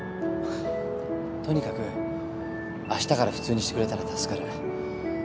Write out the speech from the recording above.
とにかくあしたから普通にしてくれたら助かる。